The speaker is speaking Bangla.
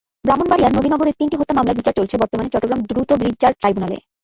ব্রাহ্মণবাড়িয়ার নবীনগরের তিনটি হত্যা মামলার বিচার চলছে বর্তমানে চট্টগ্রাম দ্রুত বিচার ট্রাইব্যুনালে।